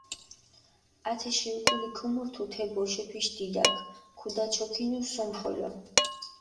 ათეში უკული ქუმორთუ თე ბოშეფიშ დიდაქ, ქუდაჩოქინუ სუმხოლო.